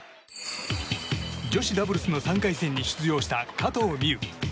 女子ダブルスの３回戦に出場した加藤未唯。